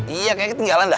iya kayak ketinggalan dah